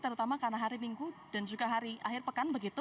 terutama karena hari minggu dan juga hari akhir pekan